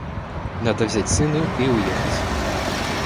Надо взять сына и уехать.